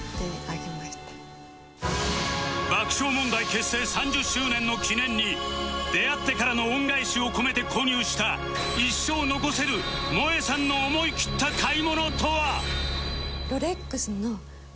爆笑問題結成３０周年の記念に出会ってからの恩返しを込めて購入した一生残せるもえさんの思い切った買い物とは？